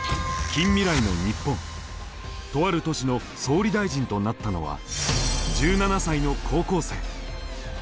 とある都市の総理大臣となったのは１７才の高校生。